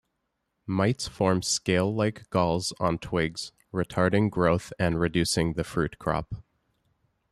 Mites form scale-like galls on twigs, retarding growth and reducing the fruit crop.